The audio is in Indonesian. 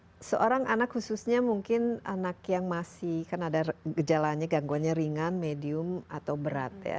dan seorang anak khususnya mungkin anak yang masih kan ada gejalanya gangguannya ringan medium atau berat